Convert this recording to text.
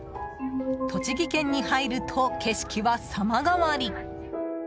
栃木県に入ると、景色は様変わり。